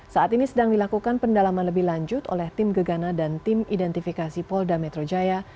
saat ini sedang dilakukan pendalaman lebih lanjut oleh tim gegana dan tim identifikasi polda metro jaya